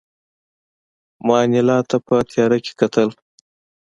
ما انیلا ته په تیاره کې کتل